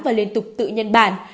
và liên tục tự nhân bản